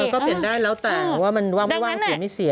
ก็เปลี่ยนได้แล้วแต่ว่ามันว่างไม่ว่างเสียไม่เสีย